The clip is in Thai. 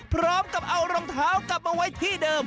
พร้อมกับเอารองเท้ากลับมาไว้ที่เดิม